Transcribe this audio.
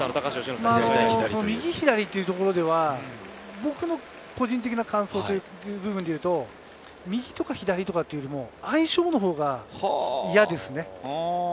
右左というところでは、僕の個人的な感想という部分でいうと、右とか左とかよりも相性のほうが嫌ですね。